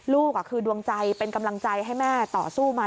ลูกคือดวงใจเป็นกำลังใจให้แม่ต่อสู้มา